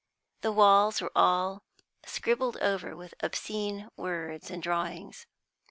The walls were all scribbled over with obscene words and drawings.